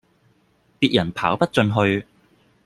別人跑不進去